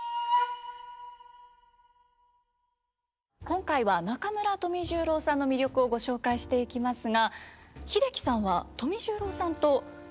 今回は中村富十郎さんの魅力をご紹介していきますが英樹さんは富十郎さんとご親交があったんですよね。